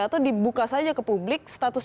atau dibuka saja ke publik status